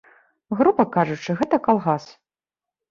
Груба кажучы, гэта калгас.